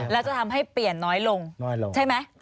แล้วจะทำให้เปลี่ยนน้อยลงน้อยลงใช่ไหม